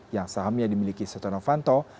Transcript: yang sahamnya dimiliki setonofanto